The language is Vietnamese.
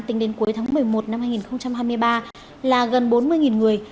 tính đến cuối tháng một mươi một năm hai nghìn hai mươi ba là gần bốn mươi người